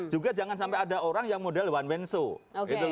juga jangan sampai ada orang yang model one wan soe